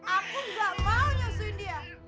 aku gak mau nyusun dia